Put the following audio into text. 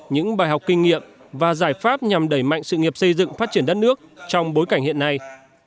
những bài học kinh nghiệm và giải pháp nhằm đẩy mạnh sự nghiệp xây dựng phát triển đất nước trong bối cảnh hiện nay